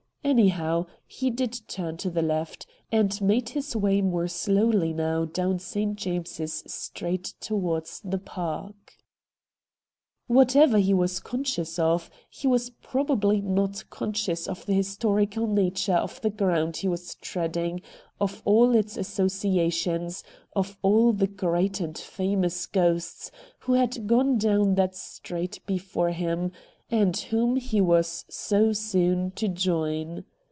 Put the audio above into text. Anyhow, he did turn to the left, and made his way more slowly now down St. James's Street towards the Park. H 2 lOO RED DIAMONDS Whatever he was conscious of, he was probably not conscious of the historical nature of the ground he was treading, of all its as sociations, of all the great and famous ghosts who 'had gone down that street before him — and whom he was so soon to join.